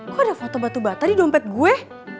kok ada foto batu bata di dompet gue